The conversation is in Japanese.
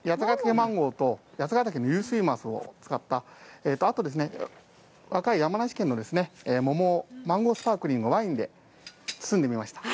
マンゴーと八ヶ岳の湧水鱒を使った、あと山梨県の桃を、マンゴースパークリングのワインで包んでみました。